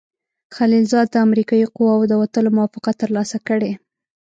خلیلزاد د امریکایي قواوو د وتلو موافقه ترلاسه کړې.